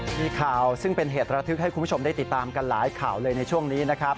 มีข่าวซึ่งเป็นเหตุระทึกให้คุณผู้ชมได้ติดตามกันหลายข่าวเลยในช่วงนี้นะครับ